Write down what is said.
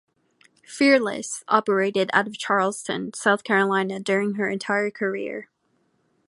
"Fearless" operated out of Charleston, South Carolina during her entire career.